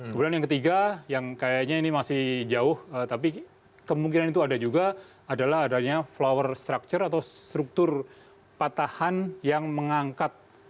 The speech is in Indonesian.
kemudian yang ketiga yang kayaknya ini masih jauh tapi kemungkinan itu ada juga adalah adanya flower structure atau struktur patahan yang mengangkat